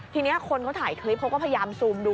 ทีนี้คนเขาถ่ายคลิปเขาก็พยายามซูมดู